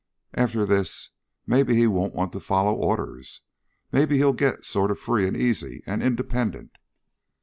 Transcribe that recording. "After this maybe he won't want to follow orders. Maybe he'll get sort of free and easy and independent."